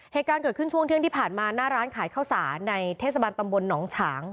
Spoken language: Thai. เหตุการณ์เกิดขึ้นช่วงเที่ยงที่ผ่านมาหน้าร้านขายข้าวสารในเทศบาลตำบลหนองฉาง